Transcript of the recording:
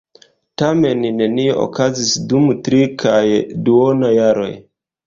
Tamen nenio okazis dum tri kaj duona jaroj.